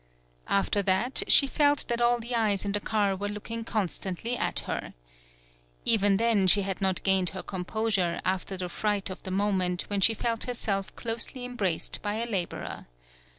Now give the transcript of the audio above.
After that she felt that all the eyes in the car were looking constantly at her. Even then, she had not gained her composure after the fright of the moment when she felt herself closely embraced by a laborer.